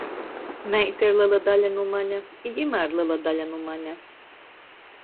Meita ir lela daļa nu mane, i jimā ir lela daļa nu mane.